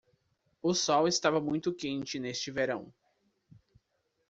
O sol estava muito quente neste verão.